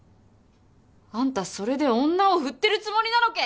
あんたそれで女を振ってるつもりなのけ？